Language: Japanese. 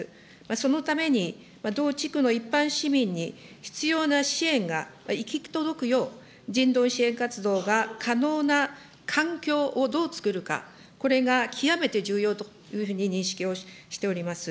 そのために同地区の一般市民に必要な支援が行き届くよう、人道支援活動が可能な環境をどう作るか、これが極めて重要というふうに認識をしております。